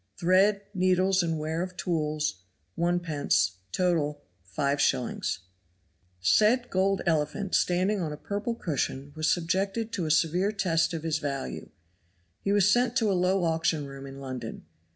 thread, needles and wear of tools, 1d.; total, 5s. Said gold elephant standing on a purple cushion was subjected to a severe test of his value. He was sent to a low auction room in London.